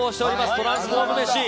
トランスフォーム飯。